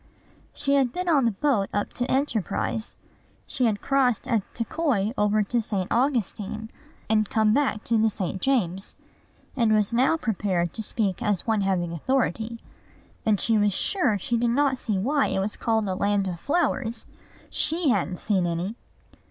She had been on the boat up to Enterprise; she had crossed at Tekoi over to St. Augustine, and come back to the St. James; and was now prepared to speak as one having authority: and she was sure she did not see why it was called a land of flowers. She hadn't seen any.